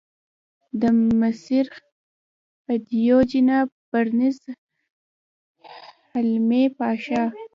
د مصر خدیو جناب پرنس حلمي پاشا.